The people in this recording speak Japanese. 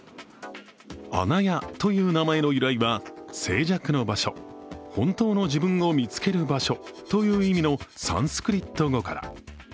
「あなや」という名前の由来は静寂の場所、本当の自分を見つける場所という意味のサンスクリット語から。